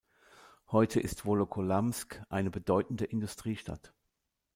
Heute ist Wolokolamsk eine bedeutende Industriestadt.